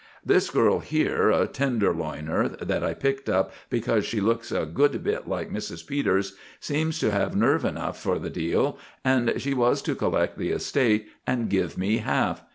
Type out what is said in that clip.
"This girl here, a Tenderloiner, that I picked up because she looks a good bit like Mrs. Peters, seemed to have nerve enough for the deal, and she was to collect the estate and give me half.